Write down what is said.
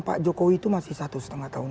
pak jokowi itu masih satu setengah tahun